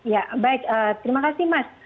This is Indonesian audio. ya baik terima kasih mas